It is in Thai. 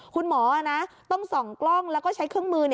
คุณหมอต้องส่องกล้องแล้วก็ใช้เครื่องมือ